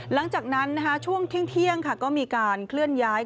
หลังจากนั้นช่วงเที่ยงก็มีการเคลื่อนย้าย